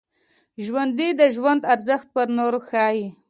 ژوندي د ژوند ارزښت پر نورو ښيي